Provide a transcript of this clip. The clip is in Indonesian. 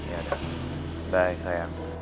yaudah bye sayang